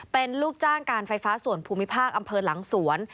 เป็นลูกจ้างการไฟฟ้าส่วนภูมิภาคอำเภอหลังสวน